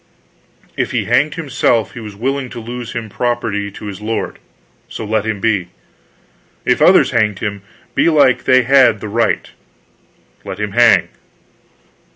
"If he hanged himself, he was willing to lose him property to his lord; so let him be. If others hanged him, belike they had the right let him hang."